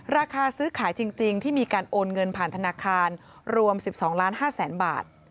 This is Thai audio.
ราคาซื้อขายจริงที่มีการโอนเงินผ่านธนาคารรวม๑๒ล้าน๕แสนบาท